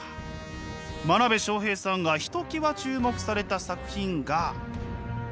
真鍋昌平さんがひときわ注目された作品が。